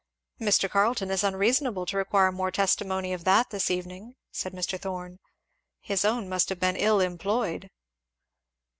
"Mr. Carleton is unreasonable, to require more testimony of that this evening," said Mr. Thorn; "his own must have been ill employed."